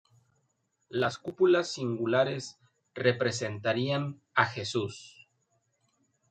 Las cúpulas singulares representarían a Jesús.